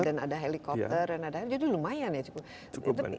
dan ada helikopter jadi lumayan ya cukup